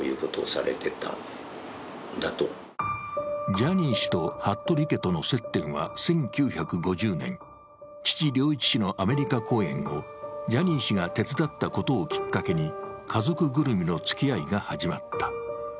ジャニー氏と服部家との接点は１９５０年、父、良一氏のアメリカ公演をジャニー氏が手伝ったことをきっかけに家族ぐるみのつきあいが始まった。